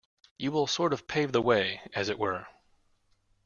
You will sort of pave the way, as it were.